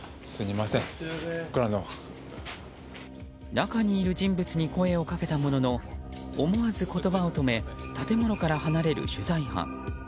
中にいる人物に声をかけたものの思わず言葉を止め建物から離れる取材班。